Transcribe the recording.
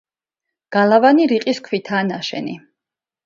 გალავანი რიყის ქვითაა ნაშენი.